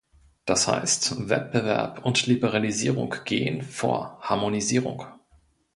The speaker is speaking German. Das heißt, Wettbewerb und Liberalisierung gehen vor Harmonisierung.